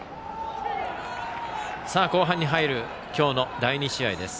後半に入る今日の第２試合です。